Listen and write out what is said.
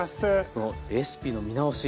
そのレシピの見直し